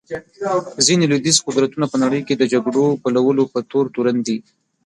ځینې لوېدیځ قدرتونه په نړۍ کې د جګړو بلولو په تور تورن دي.